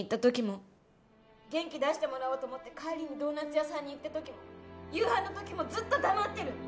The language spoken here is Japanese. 元気出してもらおうと思って帰りにドーナツ屋さんに行った時も夕飯の時もずっと黙ってる！